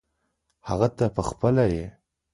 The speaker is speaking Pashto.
هغه ته پخپله یې .